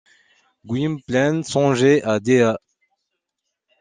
Gwynplaine songeait à Dea.